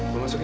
gue masuk ya